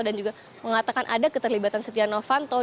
dan juga mengatakan ada keterlibatan sesuatu